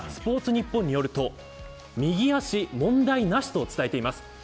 ニッポンによると右足問題なしと伝えています。